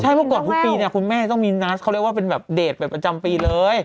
ใช่เพราะก่อนทุกปีเนี่ยคุณแม่ต้องมีนัดเขาเรียกว่าเป็นแบบเดทแบบประจำปีเลย